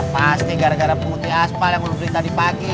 pasti gara gara pengutih aspal yang ngelukin tadi pagi